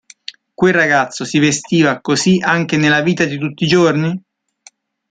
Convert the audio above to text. Quel ragazzo si vestiva così anche nella vita di tutti i giorni?